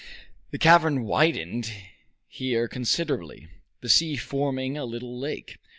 The cavern widened here considerably, the sea forming a little lake.